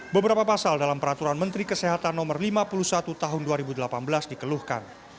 beberapa pasal dalam peraturan menteri kesehatan no lima puluh satu tahun dua ribu delapan belas dikeluhkan